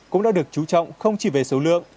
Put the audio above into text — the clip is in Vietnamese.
cũng đã được chú trọng không chỉ về số lượng